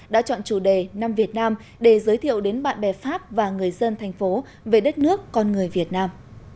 đã chọn chủ đề năm việt nam để giới thiệu đến bạn bè pháp và người dân thành phố về đất nước con người việt nam